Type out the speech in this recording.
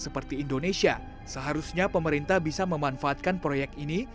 seperti indonesia seharusnya pemerintah bisa memanfaatkan proyek ini